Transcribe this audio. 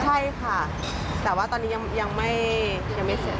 ใช่ค่ะแต่ว่าตอนนี้ยังไม่เสร็จ